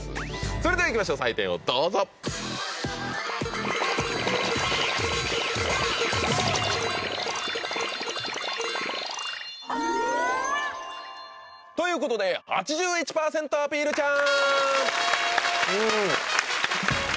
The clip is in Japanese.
それではいきましょう採点をどうぞ！ということで８１％アピールちゃん！